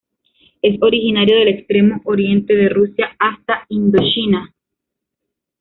Es originario del extremo oriente de Rusia hasta Indochina.